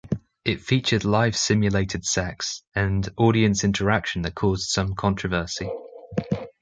It featured live simulated sex and audience interaction that caused some controversy.